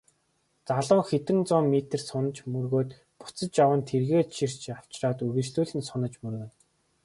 Залуу хэдэн зуун метр сунаж мөргөөд буцаж яван тэргээ чирч авчраад үргэлжлүүлэн сунаж мөргөнө.